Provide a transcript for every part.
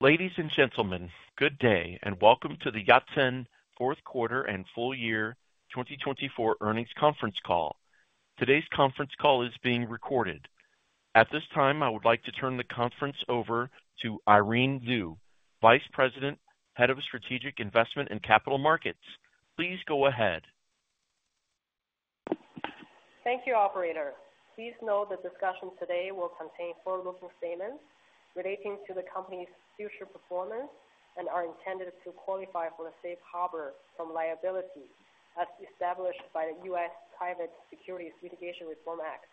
Ladies and gentlemen, good day and welcome to the Yatsen fourth quarter and full year 2024 earnings conference call. Today's conference call is being recorded. At this time, I would like to turn the conference over to Irene Lyu, Vice President, Head of Strategic Investment and Capital Markets. Please go ahead. Thank you, Operator. Please note the discussion today will contain forward-looking statements relating to the company's future performance and are intended to qualify for the safe harbor from liability as established by the U.S. Private Securities Litigation Reform Act.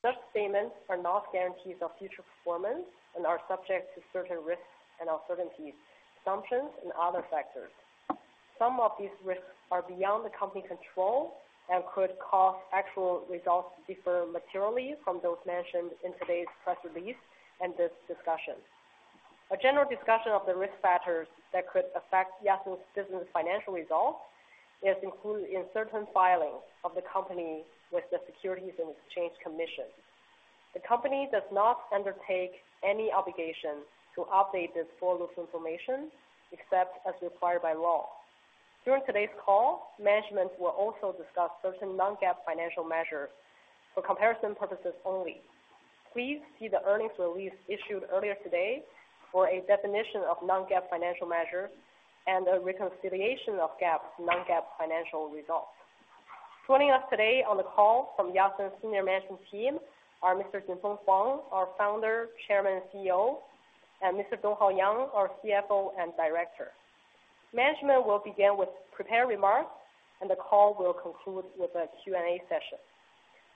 Such statements are not guarantees of future performance and are subject to certain risks and uncertainties, sanctions, and other factors. Some of these risks are beyond the company's control and could cause actual results to differ materially from those mentioned in today's press release and this discussion. A general discussion of the risk factors that could affect Yatsen's business financial results is included in certain filings of the company with the Securities and Exchange Commission. The company does not undertake any obligation to update this forward-looking information except as required by law. During today's call, management will also discuss certain non-GAAP financial measures for comparison purposes only. Please see the earnings release issued earlier today for a definition of non-GAAP financial measures and a reconciliation of GAAP to non-GAAP financial results. Joining us today on the call from Yatsen's senior management team are Mr. Jinfeng Huang, our Founder, Chairman, and CEO, and Mr. Donghao Yang, our CFO and Director. Management will begin with prepared remarks, and the call will conclude with a Q&A session.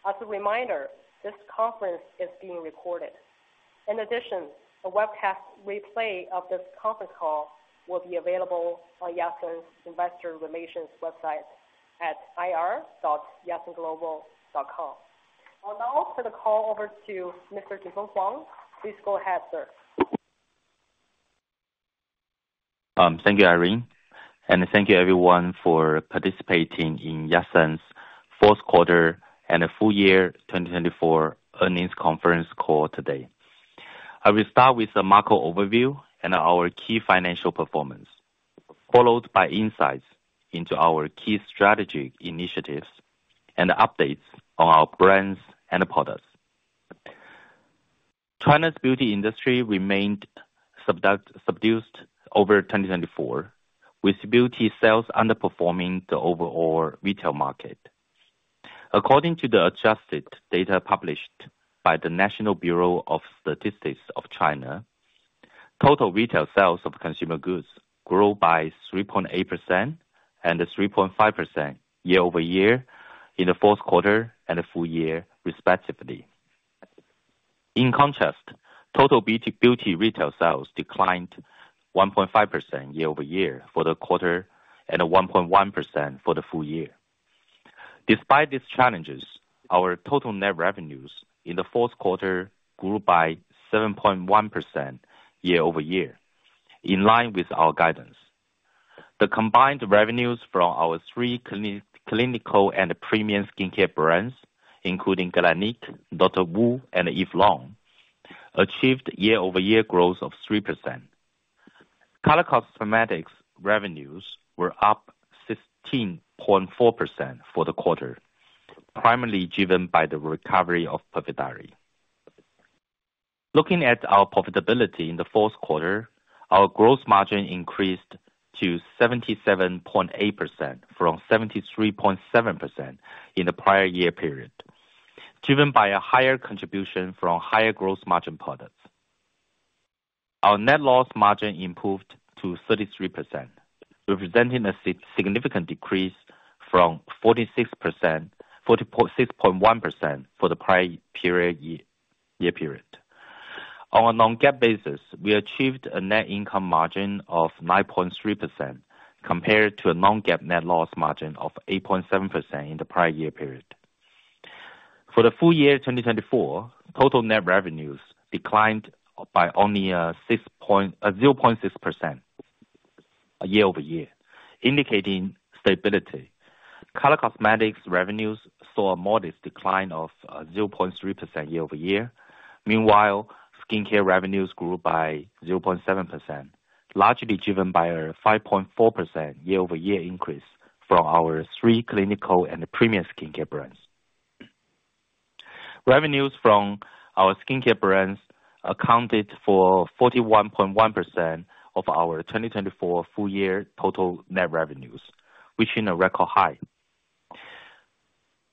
As a reminder, this conference is being recorded. In addition, a webcast replay of this conference call will be available on Yatsen's Investor Relations website at ir.yatsenglobal.com. I'll now turn the call over to Mr. Jinfeng Huang. Please go ahead, sir. Thank you, Irene, and thank you, everyone, for participating in Yatsen's fourth quarter and full year 2024 earnings conference call today. I will start with a macro overview and our key financial performance, followed by insights into our key strategic initiatives and updates on our brands and products. China's beauty industry remained subdued over 2024, with beauty sales underperforming the overall retail market. According to the adjusted data published by the National Bureau of Statistics of China, total retail sales of consumer goods grew by 3.8% and 3.5% year-over-year in the fourth quarter and the full year, respectively. In contrast, total beauty retail sales declined 1.5% year-over-year for the quarter and 1.1% for the full year. Despite these challenges, our total net revenues in the fourth quarter grew by 7.1% year-over-year, in line with our guidance. The combined revenues from our three clinical and premium skincare brands, including Galénic, DR.WU, and Eve Lom, achieved year-over-year growth of 3%. color cosmetics' revenues were up 16.4% for the quarter, primarily driven by the recovery of Perfect Diary. Looking at our profitability in the fourth quarter, our gross margin increased to 77.8% from 73.7% in the prior year period, driven by a higher contribution from higher gross margin products. Our net loss margin improved to 33%, representing a significant decrease from 46.1% for the prior year period. On a non-GAAP basis, we achieved a net income margin of 9.3% compared to a non-GAAP net loss margin of 8.7% in the prior year period. For the full year 2024, total net revenues declined by only 0.6% year-over-year, indicating stability. color cosmetics' revenues saw a modest decline of 0.3% year-over-year. Meanwhile, skincare revenues grew by 0.7%, largely driven by a 5.4% year-over-year increase from our three clinical and premium skincare brands. Revenues from our skincare brands accounted for 41.1% of our 2024 full year total net revenues, reaching a record high.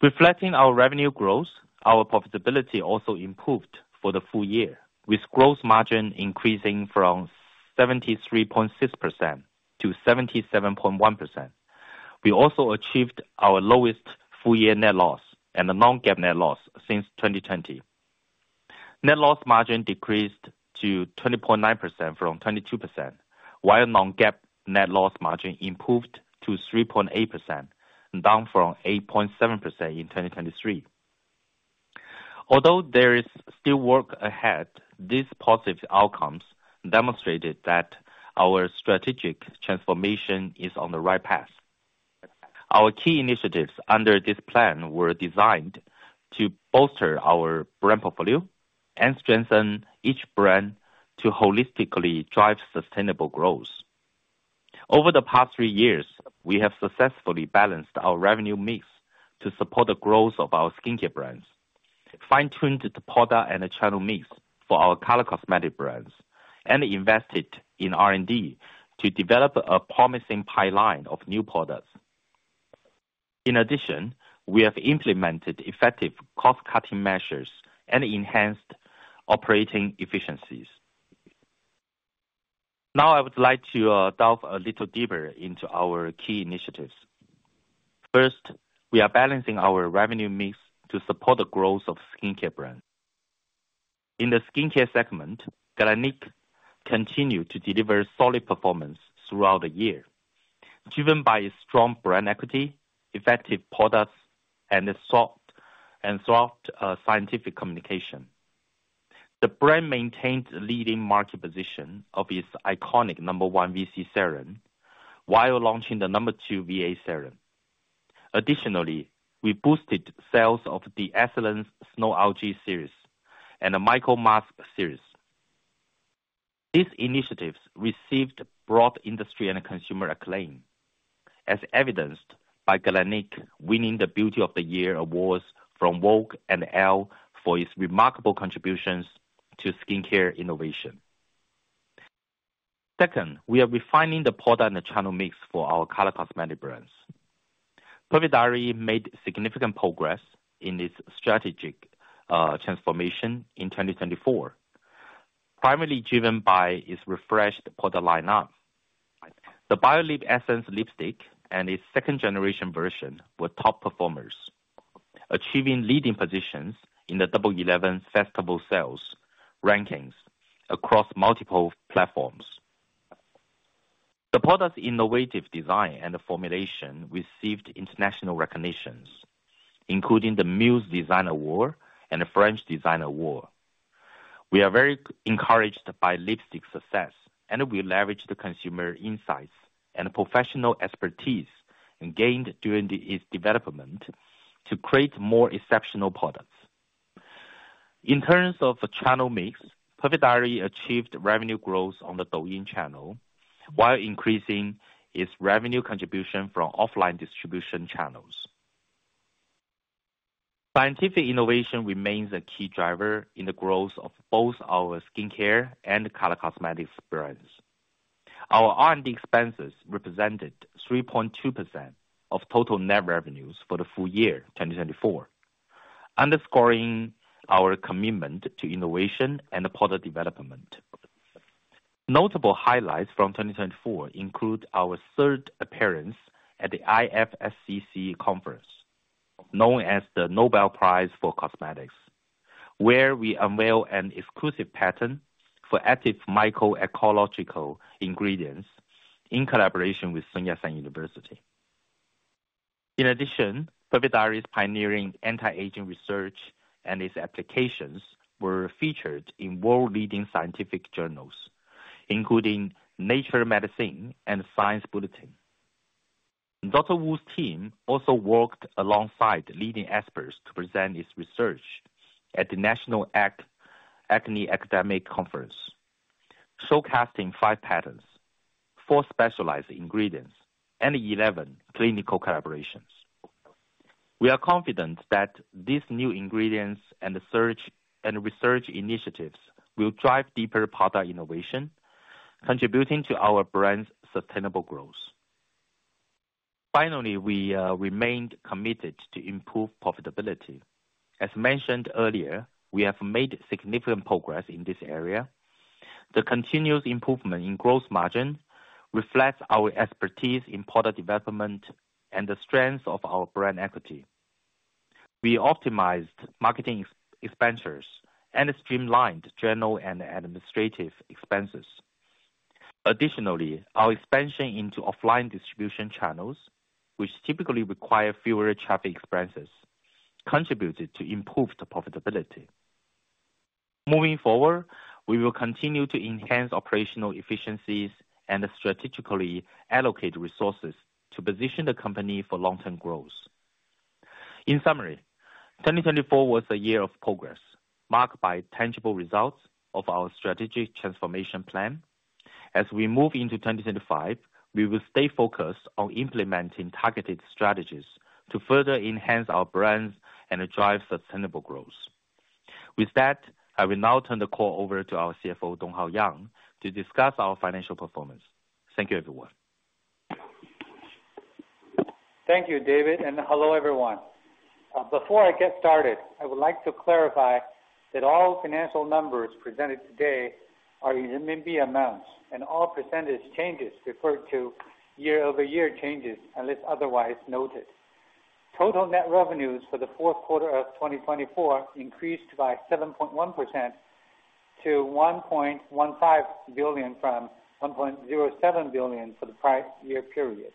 Reflecting our revenue growth, our profitability also improved for the full year, with gross margin increasing from 73.6% to 77.1%. We also achieved our lowest full-year net loss and a non-GAAP net loss since 2020. Net loss margin decreased to 20.9% from 22%, while non-GAAP net loss margin improved to 3.8%, down from 8.7% in 2023. Although there is still work ahead, these positive outcomes demonstrated that our strategic transformation is on the right path. Our key initiatives under this plan were designed to bolster our brand portfolio and strengthen each brand to holistically drive sustainable growth. Over the past three years, we have successfully balanced our revenue mix to support the growth of our skincare brands, fine-tuned the product and channel mix for our color cosmetic brands, and invested in R&D to develop a promising pipeline of new products. In addition, we have implemented effective cost-cutting measures and enhanced operating efficiencies. Now, I would like to delve a little deeper into our key initiatives. First, we are balancing our revenue mix to support the growth of skincare brands. In the skincare segment, Galénic continued to deliver solid performance throughout the year, driven by strong brand equity, effective products, and throughout scientific communication. The brand maintained the leading market position of its iconic No. 1 VC serum, while launching the No. 2 VA serum. Additionally, we boosted sales of d'Excellence Snow Algae series and the Micro Mask series. These initiatives received broad industry and consumer acclaim, as evidenced by Galénic winning the Beauty of the Year awards from Vogue and ELLE for its remarkable contributions to skincare innovation. Second, we are refining the product and channel mix for our color cosmetic brands. Perfect Diary made significant progress in its strategic transformation in 2024, primarily driven by its refreshed product lineup. The Biolip Essence Lipstick and its second-generation version were top performers, achieving leading positions in the Double Eleven Festival Sales rankings across multiple platforms. The product's innovative design and formulation received international recognitions, including the Muse Design Award and the French Design Award. We are very encouraged by lipstick success, and we leverage the consumer insights and professional expertise gained during its development to create more exceptional products. In terms of channel mix, Perfect Diary achieved revenue growth on the Douyin channel while increasing its revenue contribution from offline distribution channels. Scientific innovation remains a key driver in the growth of both our skincare and color cosmetics brands. Our R&D expenses represented 3.2% of total net revenues for the full year 2024, underscoring our commitment to innovation and product development. Notable highlights from 2024 include our third appearance at the IFSCC Conference, known as the Nobel Prize for Cosmetics, where we unveiled an exclusive patent for active microecological ingredients in collaboration with Sun Yat-sen University. In addition, Perfect Diary's pioneering anti-aging research and its applications were featured in world-leading scientific journals, including Nature Medicine and Science Bulletin. DR.WU's team also worked alongside leading experts to present its research at the National Acne Academic Conference, showcasing five patents, four specialized ingredients, and 11 clinical collaborations. We are confident that these new ingredients and research initiatives will drive deeper product innovation, contributing to our brand's sustainable growth. Finally, we remained committed to improve profitability. As mentioned earlier, we have made significant progress in this area. The continuous improvement in gross margin reflects our expertise in product development and the strength of our brand equity. We optimized marketing expenses and streamlined general and administrative expenses. Additionally, our expansion into offline distribution channels, which typically require fewer traffic expenses, contributed to improved profitability. Moving forward, we will continue to enhance operational efficiencies and strategically allocate resources to position the company for long-term growth. In summary, 2024 was a year of progress, marked by tangible results of our strategic transformation plan. As we move into 2025, we will stay focused on implementing targeted strategies to further enhance our brands and drive sustainable growth. With that, I will now turn the call over to our CFO, Donghao Yang, to discuss our financial performance. Thank you, everyone. Thank you, David. Hello, everyone. Before I get started, I would like to clarify that all financial numbers presented today are in RMB amounts, and all percentage changes refer to year-over-year changes, unless otherwise noted. Total net revenues for the fourth quarter of 2024 increased by 7.1% to 1.15 billion from 1.07 billion for the prior year period.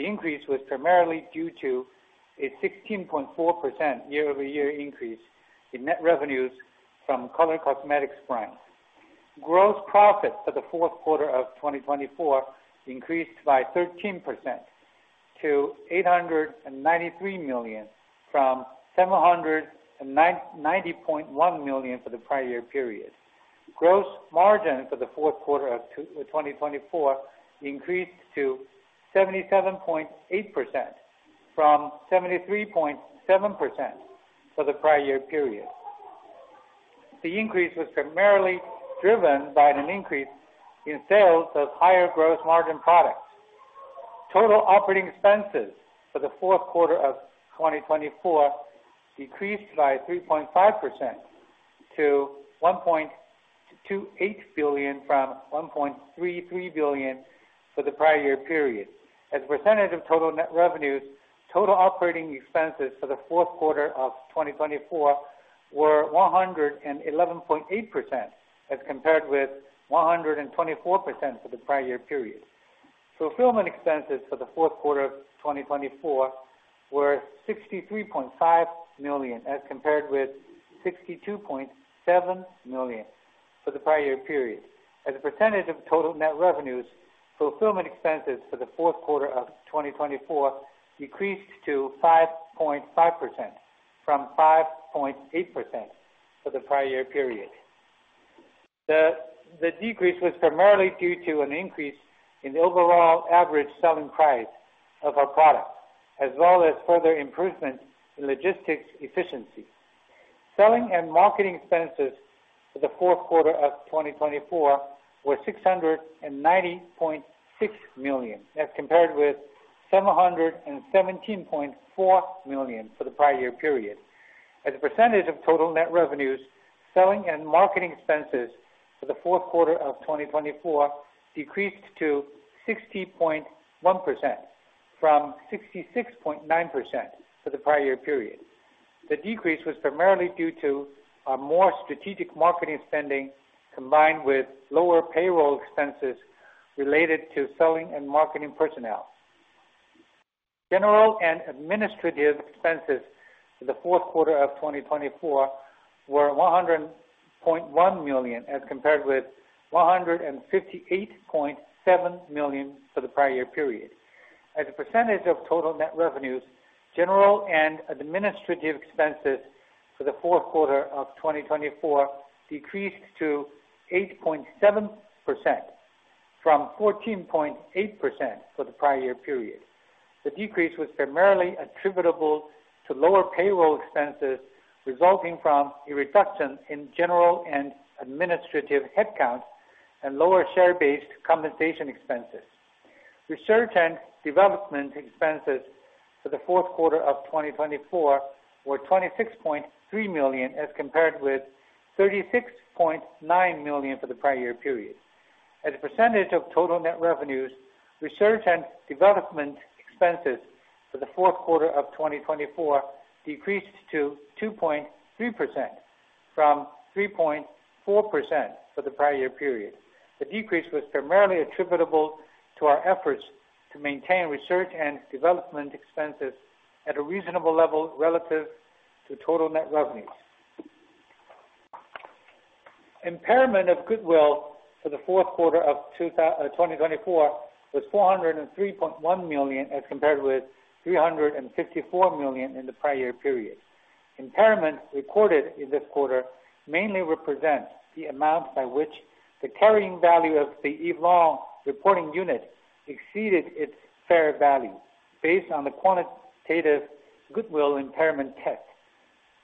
The increase was primarily due to a 16.4% year-over-year increase in net revenues from color cosmetics brands. Gross profit for the fourth quarter of 2024 increased by 13% to 893 million from 790.1 million for the prior year period. Gross margin for the fourth quarter of 2024 increased to 77.8% from 73.7% for the prior year period. The increase was primarily driven by an increase in sales of higher gross margin products. Total operating expenses for the fourth quarter of 2024 decreased by 3.5% to 1.28 billion from 1.33 billion for the prior year period. As a percentage of total net revenues, total operating expenses for the fourth quarter of 2024 were 111.8% as compared with 124% for the prior year period. Fulfillment expenses for the fourth quarter of 2024 were 63.5 million as compared with 62.7 million for the prior year period. As a percentage of total net revenues, fulfillment expenses for the fourth quarter of 2024 decreased to 5.5% from 5.8% for the prior year period. The decrease was primarily due to an increase in the overall average selling price of our product, as well as further improvement in logistics efficiency. Selling and marketing expenses for the fourth quarter of 2024 were 690.6 million as compared with 717.4 million for the prior year period. As a percentage of total net revenues, selling and marketing expenses for the fourth quarter of 2024 decreased to 60.1% from 66.9% for the prior year period. The decrease was primarily due to more strategic marketing spending combined with lower payroll expenses related to selling and marketing personnel. General and administrative expenses for the fourth quarter of 2024 were 100.1 million as compared with 158.7 million for the prior year period. As a percentage of total net revenues, general and administrative expenses for the fourth quarter of 2024 decreased to 8.7% from 14.8% for the prior year period. The decrease was primarily attributable to lower payroll expenses resulting from a reduction in general and administrative headcount and lower share-based compensation expenses. Research and development expenses for the fourth quarter of 2024 were 26.3 million as compared with 36.9 million for the prior year period. As a percentage of total net revenues, research and development expenses for the fourth quarter of 2024 decreased to 2.3% from 3.4% for the prior year period. The decrease was primarily attributable to our efforts to maintain research and development expenses at a reasonable level relative to total net revenues. Impairment of goodwill for the fourth quarter of 2024 was 403.1 million as compared with 354 million in the prior year period. Impairment recorded in this quarter mainly represents the amount by which the carrying value of the Eve Lom reporting unit exceeded its fair value based on the quantitative goodwill impairment test,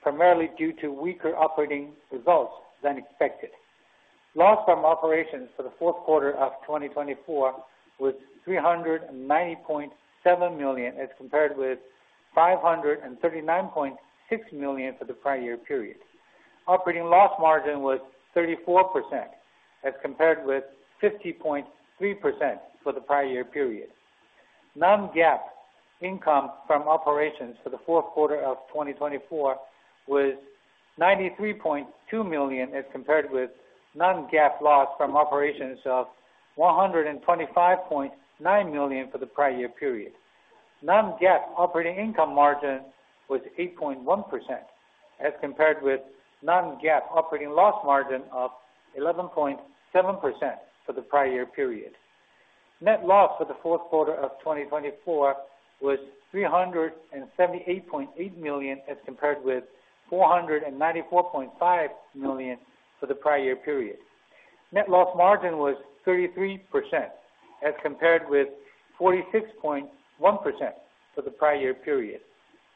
primarily due to weaker operating results than expected. Loss from operations for the fourth quarter of 2024 was 390.7 million as compared with 539.6 million for the prior year period. Operating loss margin was 34% as compared with 50.3% for the prior year period. non-GAAP income from operations for the fourth quarter of 2024 was 93.2 million as compared with non-GAAP loss from operations of 125.9 million for the prior year period. non-GAAP operating income margin was 8.1% as compared with non-GAAP operating loss margin of 11.7% for the prior year period. Net loss for the fourth quarter of 2024 was 378.8 million as compared with 494.5 million for the prior year period. Net loss margin was 33% as compared with 46.1% for the prior year period.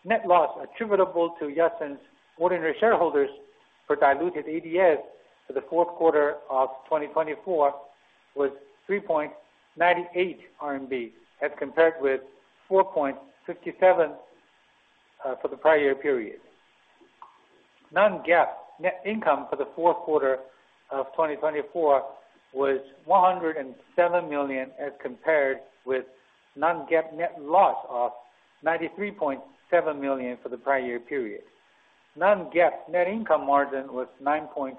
Net loss attributable to Yatsen's ordinary shareholders for diluted ADS for the fourth quarter of 2024 was 3.98 RMB as compared with 4.57 for the prior year period. non-GAAP net income for the fourth quarter of 2024 was 107 million as compared with non-GAAP net loss of 93.7 million for the prior year period. non-GAAP net income margin was 9.3%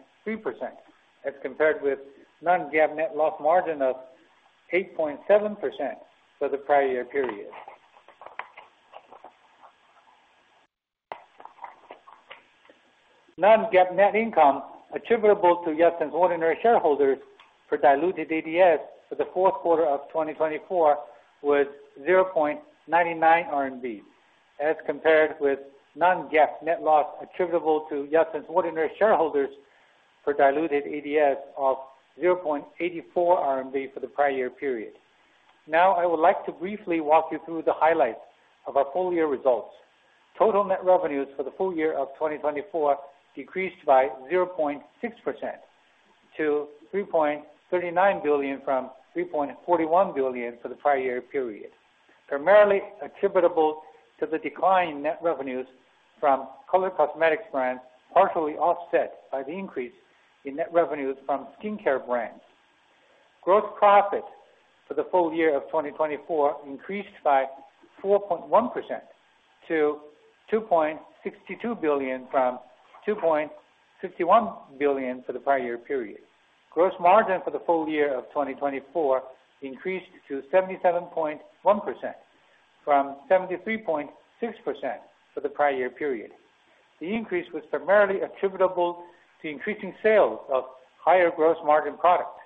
as compared with non-GAAP net loss margin of 8.7% for the prior year period. non-GAAP net income attributable to Yatsen's ordinary shareholders for diluted ADS for the fourth quarter of 2024 was 0.99 RMB as compared with non-GAAP net loss attributable to Yatsen's ordinary shareholders for diluted ADS of 0.84 RMB for the prior year period. Now, I would like to briefly walk you through the highlights of our full year results. Total net revenues for the full year of 2024 decreased by 0.6% to 3.39 billion from 3.41 billion for the prior year period, primarily attributable to the declining net revenues from color cosmetics brands, partially offset by the increase in net revenues from skincare brands. Gross profit for the full year of 2024 increased by 4.1% to 2.62 billion from 2.61 billion for the prior year period. Gross margin for the full year of 2024 increased to 77.1% from 73.6% for the prior year period. The increase was primarily attributable to increasing sales of higher gross margin products.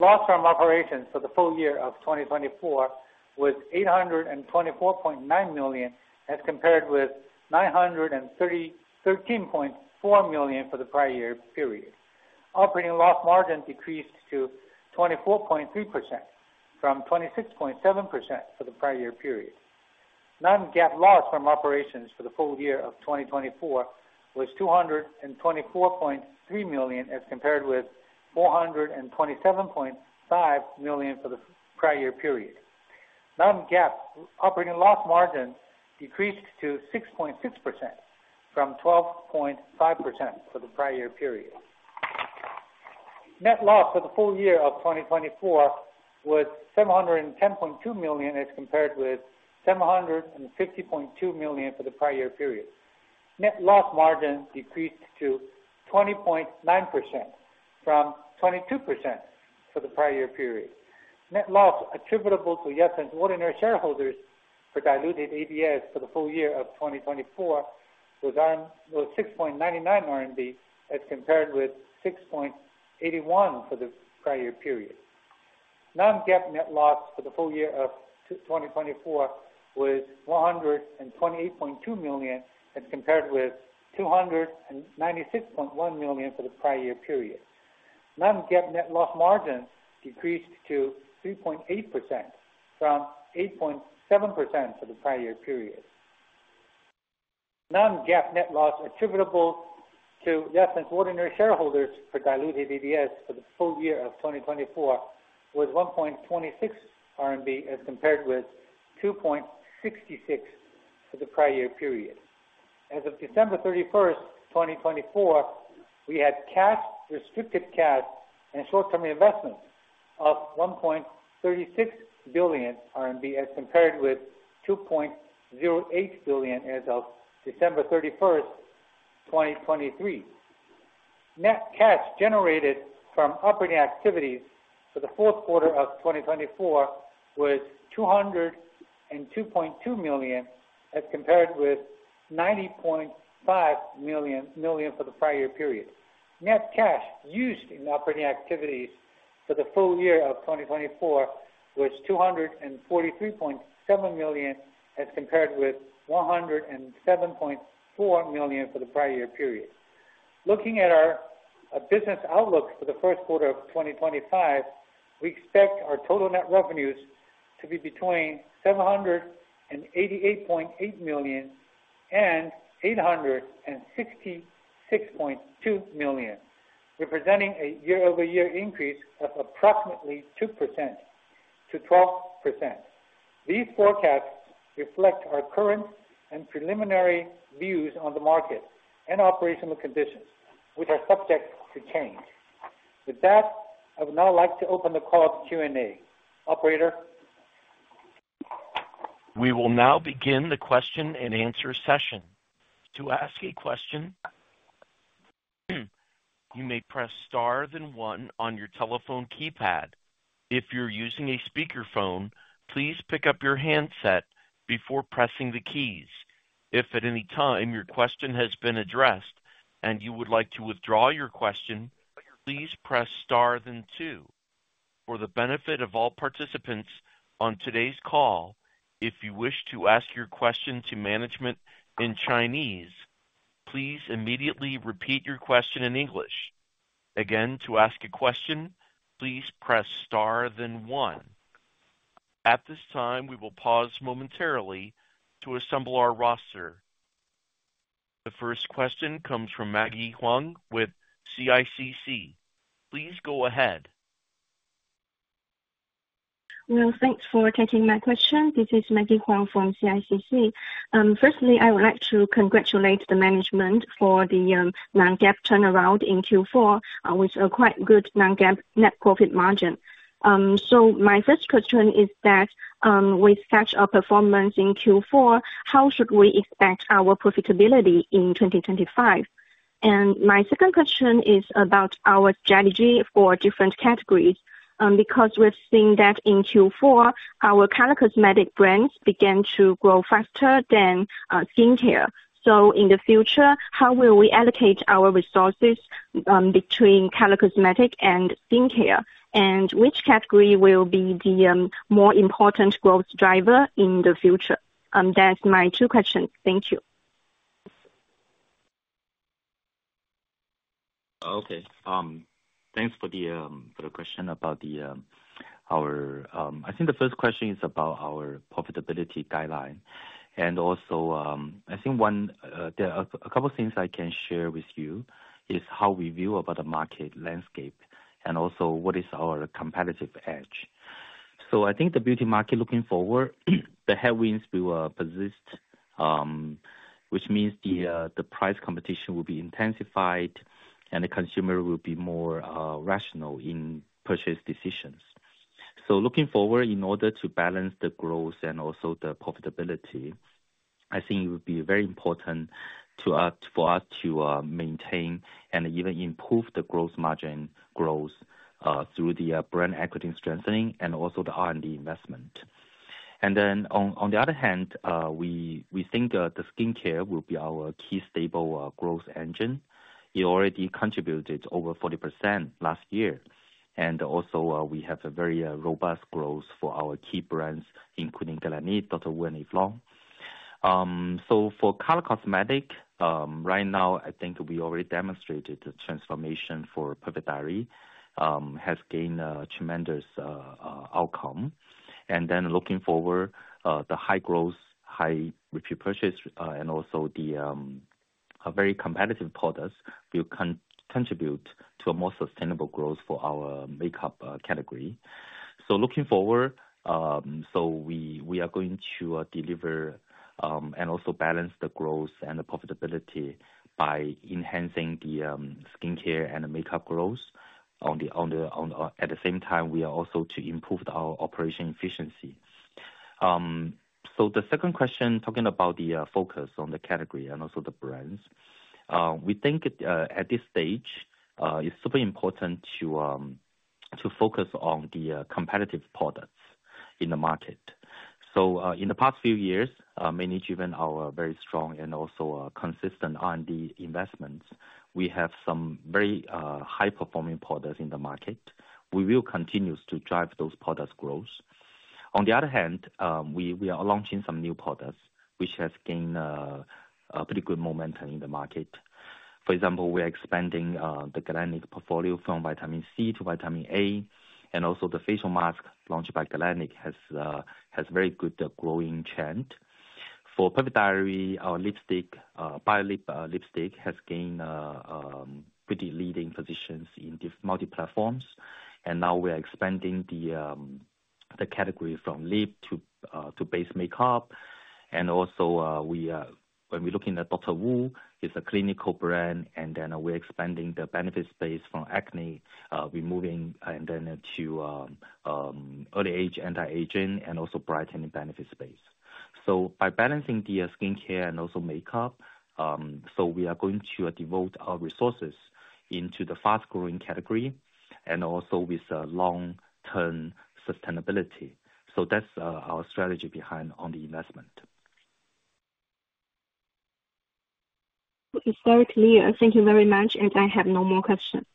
Loss from operations for the full year of 2024 was 824.9 million as compared with 913.4 million for the prior year period. Operating loss margin decreased to 24.3% from 26.7% for the prior year period. non-GAAP loss from operations for the full year of 2024 was 224.3 million as compared with 427.5 million for the prior year period. non-GAAP operating loss margin decreased to 6.6% from 12.5% for the prior year period. Net loss for the full year of 2024 was 710.2 million as compared with 750.2 million for the prior year period. Net loss margin decreased to 20.9% from 22% for the prior year period. Net loss attributable to Yatsen's ordinary shareholders for diluted ADS for the full year of 2024 was 6.99 RMB as compared with 6.81 for the prior year period. non-GAAP net loss for the full year of 2024 was 128.2 million as compared with 296.1 million for the prior year period. non-GAAP net loss margin decreased to 3.8% from 8.7% for the prior year period. non-GAAP net loss attributable to Yatsen's ordinary shareholders for diluted ADS for the full year of 2024 was 1.26 RMB as compared with 2.66 for the prior year period. As of December 31st, 2024, we had cash, restricted cash, and short-term investment of 1.36 billion RMB as compared with 2.08 billion as of December 31st, 2023. Net cash generated from operating activities for the fourth quarter of 2024 was 202.2 million as compared with 90.5 million for the prior year period. Net cash used in operating activities for the full year of 2024 was 243.7 million as compared with 107.4 million for the prior year period. Looking at our business outlook for the first quarter of 2025, we expect our total net revenues to be between 788.8 million and 866.2 million, representing a year-over-year increase of approximately 2%-12%. These forecasts reflect our current and preliminary views on the market and operational conditions, which are subject to change. With that, I would now like to open the call to Q&A. Operator. We will now begin the question-and-answer session. To ask a question, you may press star then one on your telephone keypad. If you're using a speakerphone, please pick up your handset before pressing the keys. If at any time your question has been addressed and you would like to withdraw your question, please press star then two. For the benefit of all participants on today's call, if you wish to ask your question to management in Chinese, please immediately repeat your question in English. Again, to ask a question, please press star then one. At this time, we will pause momentarily to assemble our roster. The first question comes from Maggie Huang with CICC. Please go ahead. Well, thanks for taking my question. This is Maggie Huang from CICC. Firstly, I would like to congratulate the management for the non-GAAP turnaround in Q4 with a quite good non-GAAP net profit margin. So my first question is that with such a performance in Q4, how should we expect our profitability in 2025? And my second question is about our strategy for different categories because we've seen that in Q4, our color cosmetic brands began to grow faster than skincare. So in the future, how will we allocate our resources between color cosmetic and skincare? And which category will be the more important growth driver in the future? That's my two questions. Thank you. Okay. Thanks for the question about our. I think the first question is about our profitability guideline. And also, I think one there are a couple of things I can share with you is how we view about the market landscape and also what is our competitive edge. So I think the beauty market looking forward, the headwinds we will persist, which means the price competition will be intensified and the consumer will be more rational in purchase decisions. Looking forward, in order to balance the growth and also the profitability, I think it would be very important for us to maintain and even improve the gross margin growth through the brand equity strengthening and also the R&D investment. On the other hand, we think the skincare will be our key stable growth engine. It already contributed over 40% last year. We also have a very robust growth for our key brands, including Galénic, DR.WU, Eve Lom. For color cosmetic, right now, I think we already demonstrated the transformation for Perfect Diary has gained a tremendous outcome. Looking forward, the high growth, high reputation, and also the very competitive products will contribute to a more sustainable growth for our makeup category. So looking forward, we are going to deliver and also balance the growth and the profitability by enhancing the skincare and the makeup growth. At the same time, we are also to improve our operation efficiency. The second question, talking about the focus on the category and also the brands, we think at this stage, it's super important to focus on the competitive products in the market. In the past few years, mainly driven our very strong and also consistent R&D investments, we have some very high-performing products in the market. We will continue to drive those product growth. On the other hand, we are launching some new products which has gained a pretty good momentum in the market. For example, we are expanding the Galénic portfolio from vitamin C to vitamin A, and also the facial mask launched by Galénic has very good growing trend. For Perfect Diary, our lipstick, Biolip lipstick, has gained pretty leading positions in multi-platforms, and now we are expanding the category from lip to base makeup, and also, when we're looking at DR.WU, it's a clinical brand, and then we're expanding the benefit space from acne removing, and then to early age anti-aging and also brightening benefit space, so by balancing the skincare and also makeup, so we are going to devote our resources into the fast-growing category and also with long-term sustainability, so that's our strategy behind on the investment. Okay. Thank you very much, and I have no more questions.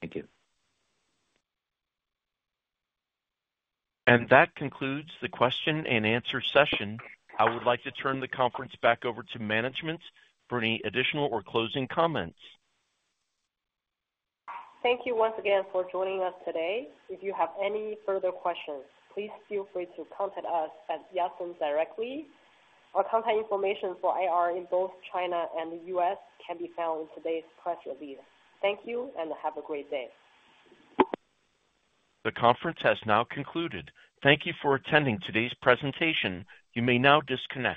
Thank you. And that concludes the question-and-answer session. I would like to turn the conference back over to management for any additional or closing comments. Thank you once again for joining us today. If you have any further questions, please feel free to contact us at Yatsen directly. Our contact information for IR in both China and the U.S. can be found in today's press release. Thank you and have a great day. The conference has now concluded. Thank you for attending today's presentation. You may now disconnect.